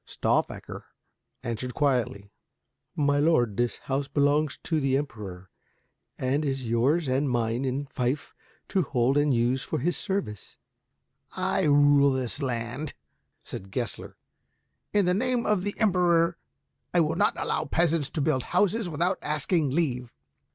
Stauffacher answered quietly, "My lord, this house belongs to the Emperor, and is yours and mine in fief to hold and use for his service." "I rule this land," said Gessler, "in the name of the Emperor, and I will not allow peasants to build houses without asking leave.